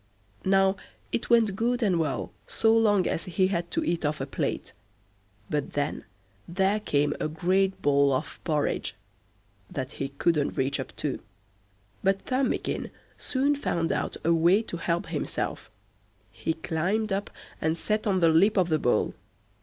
Now it went good and well so long as he had to eat off a plate, but then there came a great bowl of porridge—that he couldn't reach up to; but Thumbikin soon found out a way to help himself; he climbed up and sat on the lip of the bowl.